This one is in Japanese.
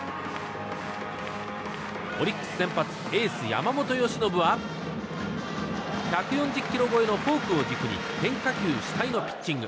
オリックス先発エース、山本由伸は１４０キロ超えのフォークを軸に変化球主体のピッチング。